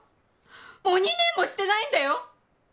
もう２年もしてないんだよ。